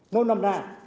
nó nằm ra